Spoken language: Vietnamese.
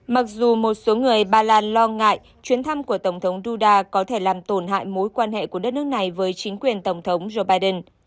mặc dù một số người ba lan lo ngại chuyến thăm của tổng thống duda có thể làm tổn hại mối quan hệ của đất nước này với chính quyền tổng thống joe biden